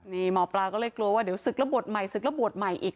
นี่หมอปลาก็เลยกลัวว่าเดี๋ยวศึกแล้วบวชใหม่ศึกแล้วบวชใหม่อีก